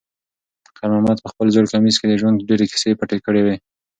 خیر محمد په خپل زوړ کمیس کې د ژوند ډېرې کیسې پټې کړې وې.